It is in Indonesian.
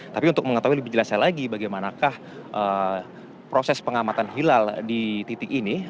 tapi untuk mengetahui lebih jelasnya lagi bagaimanakah proses pengamatan hilal di titik ini